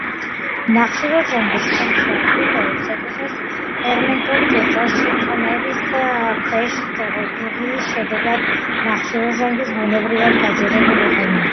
ნახშირორჟანგის შემცველ ღვინოებს ეკუთვნის ჰერმეტულ ჭურჭელში წნევის ქვეშ დუღილის შდეგად ნახშირორჟანგის ბუნებრივად გაჯერებული ღვინო.